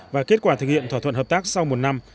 và kết quả thực hiện thỏa thuận hợp tác sau một năm